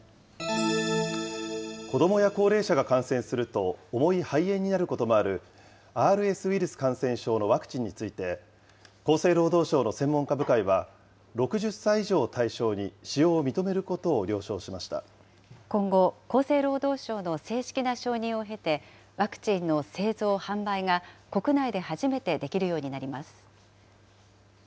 子どもや高齢者が感染すると、重い肺炎になることもあるＲＳウイルス感染症のワクチンについて、厚生労働省の専門家部会は、６０歳以上を対象に使用を認めること今後、厚生労働省の正式な承認を経て、ワクチンの製造・販売が国内で初めてできるようになります。